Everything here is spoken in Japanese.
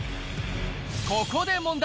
ここで問題。